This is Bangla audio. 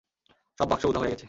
সব বাক্স উধাও হয়ে গেছে?